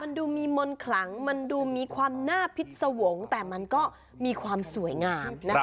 มันดูมีมนต์ขลังมันดูมีความน่าพิษสวงแต่มันก็มีความสวยงาม